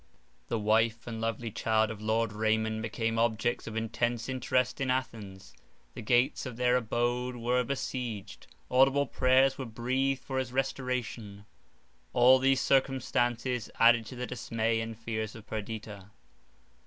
The wife and lovely child of Lord Raymond became objects of intense interest in Athens. The gates of their abode were besieged, audible prayers were breathed for his restoration; all these circumstances added to the dismay and fears of Perdita.